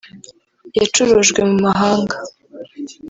yaracurujwe mu mahanga